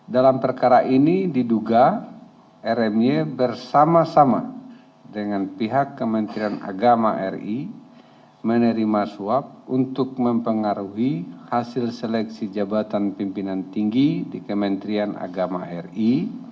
dalam perkara ini diduga rmy bersama sama dengan pihak kementerian agama ri menerima suap untuk mempengaruhi hasil seleksi jabatan pimpinan tinggi di kementerian agama ri